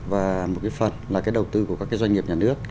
và một phần là đầu tư của các doanh nghiệp